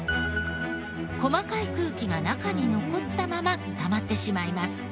細かい空気が中に残ったまま固まってしまいます。